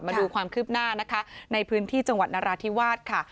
มาดูความคืบหน้านะคะในพื้นที่จังหวัดนราธิวาสค่ะ